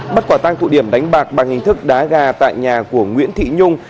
bắt quả tang tụ điểm đánh bạc bằng hình thức đá gà tại nhà của nguyễn thị nhung